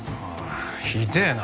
ひでえな。